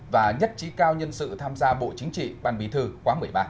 và nhất trí cao nhân sự tham gia bộ chính trị ban bí thư quá một mươi ba